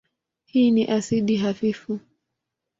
Hii ni asidi hafifu.